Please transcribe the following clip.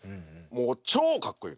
もう超かっこいい！